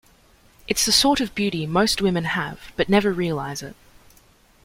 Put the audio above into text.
It's the sort of beauty most women have, but never realize it.